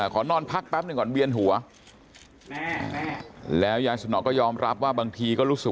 ขอนอนพักแป๊บหนึ่งก่อนเวียนหัวแล้วยายสนอก็ยอมรับว่าบางทีก็รู้สึก